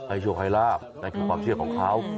ไอ้โชคไอลาภนั่นคือความเชื่อของเขา